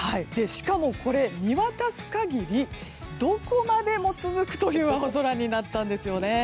しかもこれ、見渡す限りどこまでも続くという青空になったんですよね。